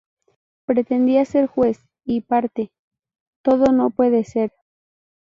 Pretendía ser juez y parte. Todo no puede ser